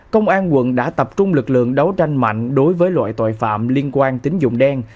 công an quận đã tập trung lực lượng đấu tranh mạnh đối với loại tội phạm liên quan tính dụng đen